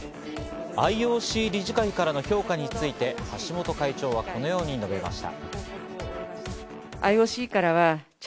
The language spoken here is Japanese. ＩＯＣ理事会からの評価について橋本会長はこのように述べました。